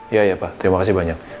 iya iya pak terima kasih banyak